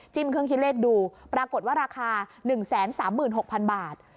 เครื่องคิดเลขดูปรากฏว่าราคา๑๓๖๐๐๐บาท